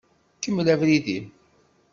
Kemmel abrid-im.